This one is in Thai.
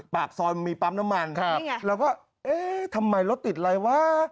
ปากซอยมันมีปั๊มน้ำมันเราก็เอ๊ะทำไมรถติดอะไรวะ